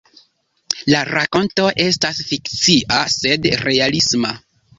La rakonto estas fikcia, sed realisma.